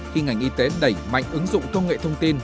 khi ngành y tế đẩy mạnh ứng dụng công nghệ thông tin